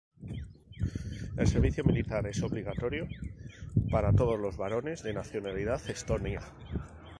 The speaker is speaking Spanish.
El servicio militar es obligatorio para todos los varones de nacionalidad estonia.